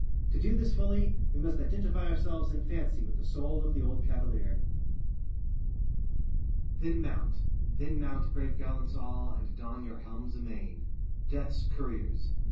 To do this fully we must identify ourselves in fancy with the soul of the old cavalier:ŌĆö Then mounte! then mounte, brave gallants all, And don your helmes amaine: DeatheŌĆÖs couriers.